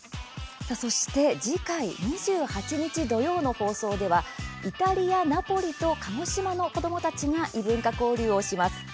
そして次回２８日土曜の放送ではイタリア・ナポリと鹿児島の子どもたちが異文化交流をします。